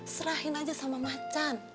serahin aja sama macan